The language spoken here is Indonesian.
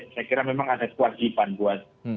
saya kira memang ada kewajiban buat